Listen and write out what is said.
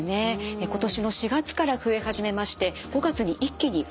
今年の４月から増え始めまして５月に一気に増えました。